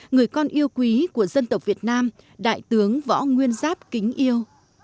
người con yêu quý của dân tộc việt nam đại tướng võ nguyên giáp kính yêu